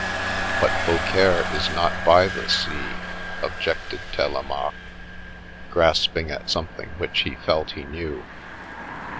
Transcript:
" But Beaucaire is not by the sea," objected Tele maque, grasping at something which he felt he knew.